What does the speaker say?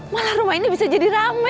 malah rumah ini bisa jadi rame